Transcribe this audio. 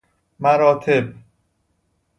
مراتب